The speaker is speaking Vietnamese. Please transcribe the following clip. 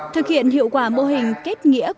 thực hiện hiệu quả mô hình kết nghĩa của